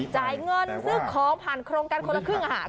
จ่ายเงินซื้อของผ่านโครงการคนละครึ่งค่ะ